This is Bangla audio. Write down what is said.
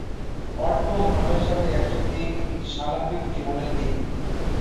অর্থ ও ধর্মের সাথে একসাথে, এটি সামগ্রিক জীবনের দিক।